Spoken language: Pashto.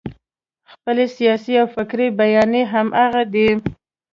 خپلې سیاسي او فکري بیانیې همغه دي.